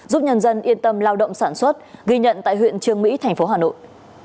giúp nhân dân yên tâm lao động sản xuất ghi nhận tại huyện trương mỹ thành phố hà nội